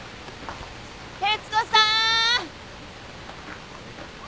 哲子さん！